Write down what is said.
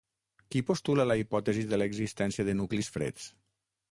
Qui postula la hipòtesi de l'existència de nuclis freds?